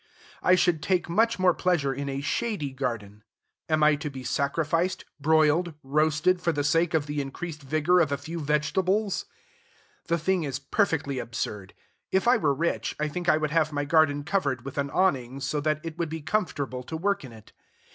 I should take much more pleasure in a shady garden. Am I to be sacrificed, broiled, roasted, for the sake of the increased vigor of a few vegetables? The thing is perfectly absurd. If I were rich, I think I would have my garden covered with an awning, so that it would be comfortable to work in it.